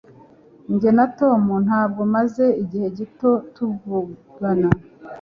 Jye na Tom ntabwo maze igihe gito tuvugana